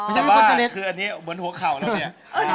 ชาวบ้านคืออันนี้เหมือนหัวเข่าแล้วเนี่ย